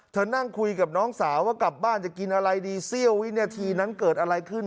นั่งคุยกับน้องสาวว่ากลับบ้านจะกินอะไรดีเสี้ยววินาทีนั้นเกิดอะไรขึ้น